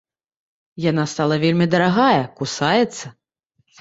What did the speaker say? Яна стала вельмі дарагая, кусаецца.